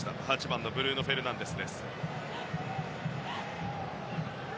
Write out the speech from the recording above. ８番のブルーノ・フェルナンデス。